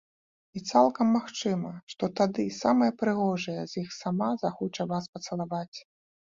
І цалкам магчыма, што тады самая прыгожая з іх сама захоча вас пацалаваць!